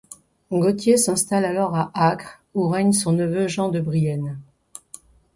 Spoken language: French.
Gautier s’installe alors à Acre, où règne son neveu Jean de Brienne.